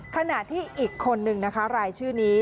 ขณะที่อีกคนนึงนะคะรายชื่อนี้